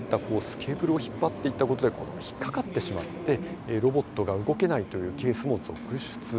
ケーブルを引っ張っていったことで引っ掛かってしまってロボットが動けないというケースも続出しました。